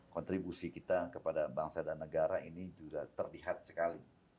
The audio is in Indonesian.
di mana kontribusi kita kepada bangsa dan negara ini sudah terlihat sekali